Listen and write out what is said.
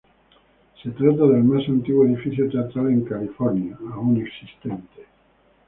Se trata del más antiguo edificio teatral en California aún existente.